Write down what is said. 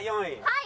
はい。